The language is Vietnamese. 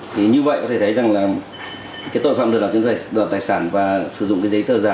thì như vậy có thể thấy rằng là cái tội phạm đào chứng tài sản và sử dụng cái giấy tờ giả